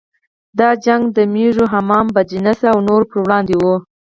دا جګړه د مېږو، حمام بدجنسه او نورو پر وړاندې وه.